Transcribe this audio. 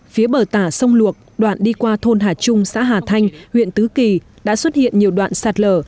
phía bờ tả sông luộc đoạn đi qua thôn hà trung xã hà thanh huyện tứ kỳ đã xuất hiện nhiều đoạn sạt lở